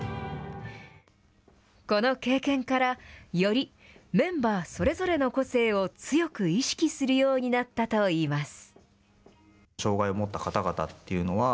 この経験から、よりメンバーそれぞれの個性を強く意識するようになったといいます。